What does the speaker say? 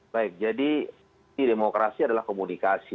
baik jadi demokrasi adalah komunikasi